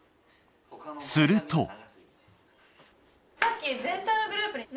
すると。